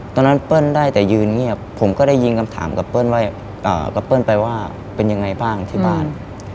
เปิ้ลได้แต่ยืนเงียบผมก็ได้ยินคำถามกับเปิ้ลกับเปิ้ลไปว่าเป็นยังไงบ้างที่บ้าน